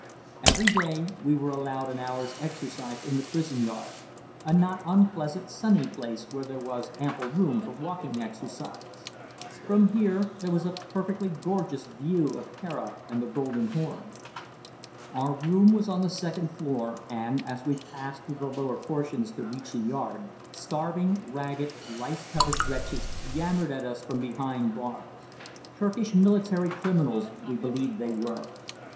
Every day we were allowed an hour's exercise in the prison yard, a not unpleasant sunny place where there was ample room for walking exercise. From here there was a perfectly gorgeous view of Pera and the Golden Horn. Our room was on the second floor, and, as we passed through the lower portions to reach the yard, starving, ragged, lice covered wretches yammered at us from behind bars. Turkish military criminals, we believed they were.